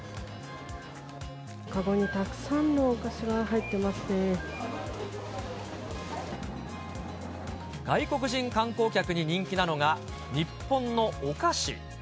籠にたくさんのお菓子が入っ外国人観光客に人気なのが、日本のお菓子。